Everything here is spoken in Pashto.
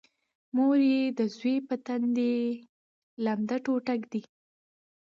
مور یې د زوی په تندي لمده ټوټه ږدي